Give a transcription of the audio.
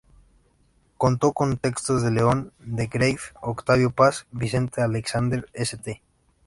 Contó con textos de León de Greiff, Octavio Paz, Vicente Aleixandre, St.